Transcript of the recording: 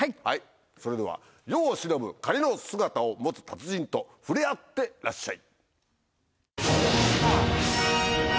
それでは世を忍ぶ仮の姿を持つ達人と触れ合ってらっしゃい。